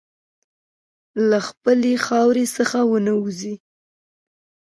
له خپلې خاورې څخه ونه وځې.